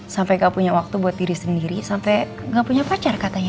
sampai gak punya waktu buat diri sendiri sampai gak punya pacar katanya